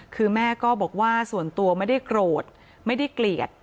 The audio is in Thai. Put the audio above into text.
คือแม่ก็บอกว่าส่วนตัวไม่ได้โกรธไม่ได้เกลียด